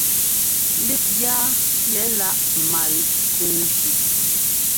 Lík yaa yɛ láʼ Malkúshi.